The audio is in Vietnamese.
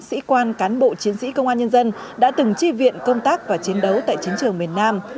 sĩ quan cán bộ chiến sĩ công an nhân dân đã từng chi viện công tác và chiến đấu tại chiến trường miền nam